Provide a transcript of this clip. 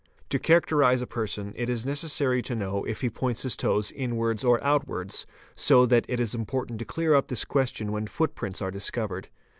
To characterise a person it is necessary : to know if he points his toes inwards or outwards, so that it is important to clear up this question when footprints are discovered.